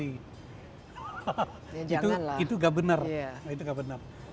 itu tidak benar